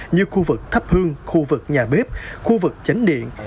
như khu vực thắp hương khu vực nhà bếp khu vực chánh điện